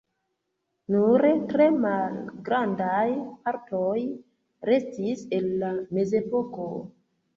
Nur tre malgrandaj partoj restis el la mezepoko.